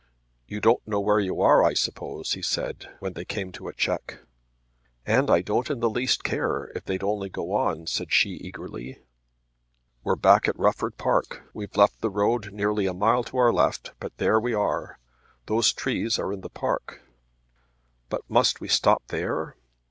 "You don't know where you are I suppose," he said when they came to a check. "And I don't in the least care, if they'd only go on," said she eagerly. "We're back at Rufford Park. We've left the road nearly a mile to our left, but there we are. Those trees are the park." "But must we stop there?"